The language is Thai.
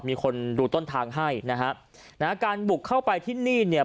มีคนดูต้นทางให้การบุกเข้าไปที่นี่